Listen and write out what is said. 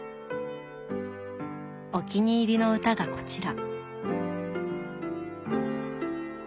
お気に入りの歌がこちら。